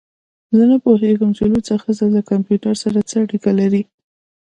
زه نه پوهیږم چې لوڅه ښځه له کمپیوټر سره څه اړیکه لري